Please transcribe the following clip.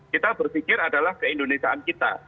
kita berpikir adalah keindonesiaan kita